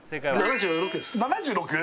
７６！？